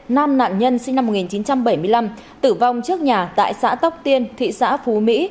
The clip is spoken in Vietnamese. nam nạn nhân sinh năm một nghìn chín trăm bảy mươi năm tử vong trước nhà tại xã tóc tiên thị xã phú mỹ